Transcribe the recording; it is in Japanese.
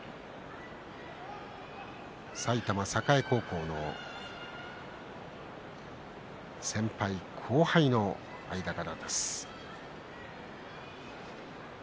埼玉栄高校の先輩後輩の間柄です。